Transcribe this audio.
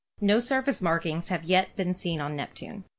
No surface markings have yet been seen on Neptune.